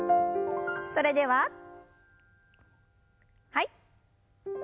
それでははい。